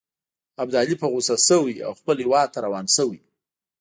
ابدالي په غوسه شوی او خپل هیواد ته روان شوی.